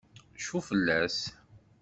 Cfu fell-as.